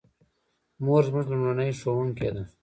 مور زموږ لومړنۍ ښوونکې ده